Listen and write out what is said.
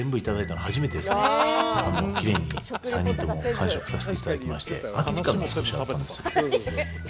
きれいに３人とも完食させていただきまして。